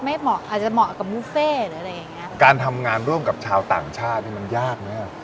เหมาะอาจจะเหมาะกับบุฟเฟ่หรืออะไรอย่างเงี้ยการทำงานร่วมกับชาวต่างชาตินี่มันยากไหมอ่ะ